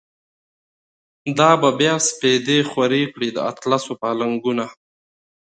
دا به بیا سپیدی خوری کړی، د اطلسو پا لنگونه